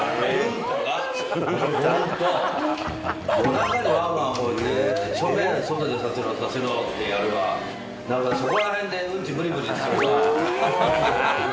夜中にワンワン吠えてしょんべん外でさせろさせろってやるわそこら辺でうんちブリブリするわ。